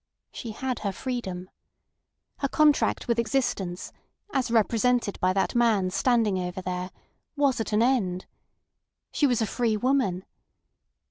She had her freedom. Her contract with existence, as represented by that man standing over there, was at an end. She was a free woman.